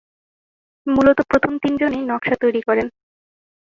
মূলত প্রথম তিনজনই নকশা তৈরি করেন।